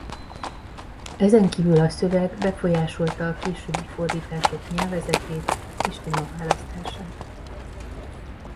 Ezenkívül a szöveg befolyásolta a későbbi fordítások nyelvezetét és témaválasztását.